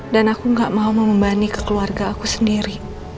dan aku gak mau membanding ke keluarga aku sendiri